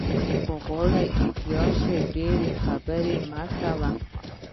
که غواړې هوښیار شې ډېرې خبرې مه کوه.